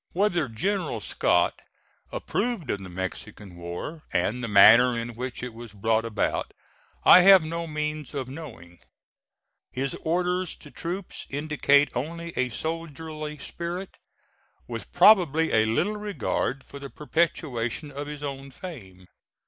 Whether General Scott approved of the Mexican war and the manner in which it was brought about, I have no means of knowing. His orders to troops indicate only a soldierly spirit, with probably a little regard for the perpetuation of his own fame.